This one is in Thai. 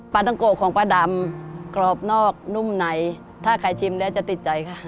ต้องโกะของป้าดำกรอบนอกนุ่มไหนถ้าใครชิมแล้วจะติดใจค่ะ